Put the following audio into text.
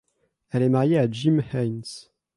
Elle est mariée à Jim Haynes.